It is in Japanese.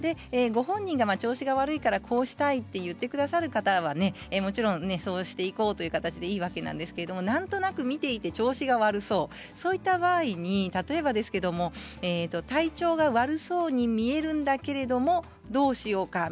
ご本人が調子が悪いからこうしてくださいと言ってくださる方はもちろん、そうしていこうという形でいいわけなんですけれどもなんとなく見ていて調子が悪そうそういった場合に例えばですけど体調が悪そうに見えるんだけれどもどうしようか？